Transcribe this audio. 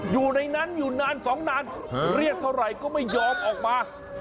อยู่ในนั้นอยู่นานสองนานเรียกเท่าไหร่ก็ไม่ยอมออกมา